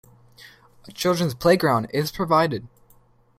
A children's playground is provided.